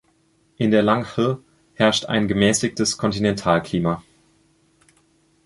In der Langhe herrscht ein gemäßigtes Kontinentalklima.